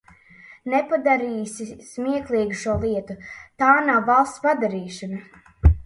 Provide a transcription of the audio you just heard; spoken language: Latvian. Nepadarīsis smieklīgu šo lietu, tā nav valsts padarīšana!